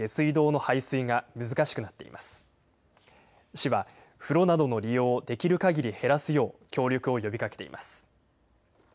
市は風呂などの利用をできるかぎり減らすよう協力を呼びかけています。